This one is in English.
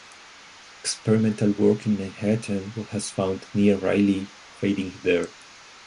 Experimental work in Manhattan has found near-Rayleigh fading there.